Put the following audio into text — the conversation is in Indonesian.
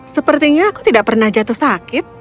sepertinya aku tidak pernah jatuh sakit